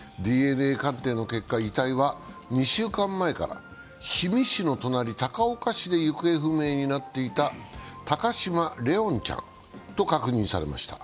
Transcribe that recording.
ＤＮＡ鑑定の結果、遺体は２週間前から氷見市の隣、高岡市で行方不明になっていた高嶋怜音ちゃんと確認されました。